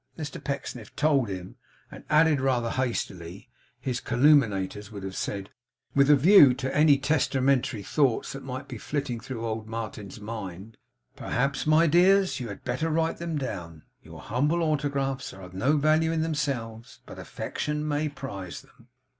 Mr Pecksniff told him, and added, rather hastily; his caluminators would have said, with a view to any testamentary thoughts that might be flitting through old Martin's mind; 'Perhaps, my dears, you had better write them down. Your humble autographs are of no value in themselves, but affection may prize them.